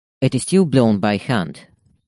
It is still blown by hand.